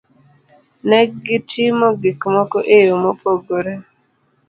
Ne gitimo gik moko e yo mopogore. Ne gitimo gik moko e yo mopogore.